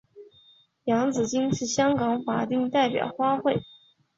洋紫荆是香港法定代表花卉。